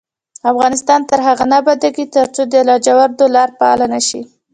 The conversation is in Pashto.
افغانستان تر هغو نه ابادیږي، ترڅو د لاجوردو لار فعاله نشي.